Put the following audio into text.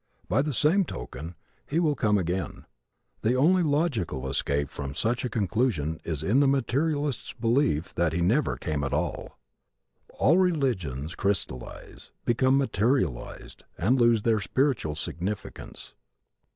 By the same token He will come again. The only logical escape from such a conclusion is in the materialist's belief that He never came at all. All religions crystalize, become materialized, and lose their spiritual significance.